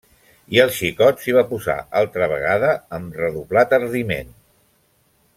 I el xicot s'hi va posar altra vegada amb redoblat ardiment.